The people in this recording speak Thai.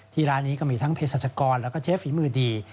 ที่ร้านนี้ก็มีทั้งเภสัชกรและเชฟฝีมือดี